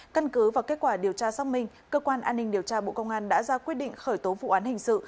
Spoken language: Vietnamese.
căn cứ và kết quả điều tra xác minh cơ quan an ninh điều tra bộ công an đã ra quyết định khởi tố vụ án hình sự